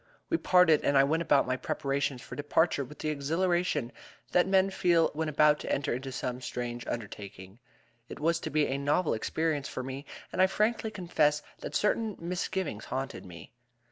We parted, and I went about my preparations for departure with that exhilaration that men feel when about to enter into some strange undertaking. It was to be a novel experience for me, and I frankly confess that certain misgivings haunted me.